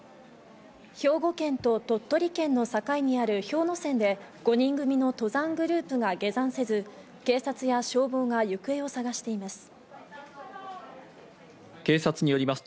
兵庫県と鳥取県の境にある氷ノ山で５人組の登山グループが下山せず、警察や消防が行方を捜しています。